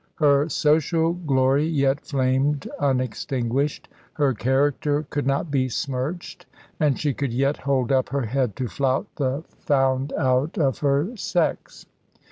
Her social glory yet flamed unextinguished; her character could not be smirched, and she could yet hold up her head to flout the found out of her sex.